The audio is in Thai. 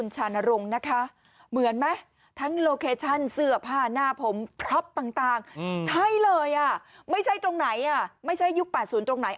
ใช่เลยอ่ะไม่ใช่ตรงไหนอ่ะไม่ใช่ยุค๘๐ตรงไหน